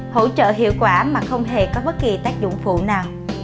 hỗ trợ hiệu quả mà không hề có bất kỳ tác dụng phụ nào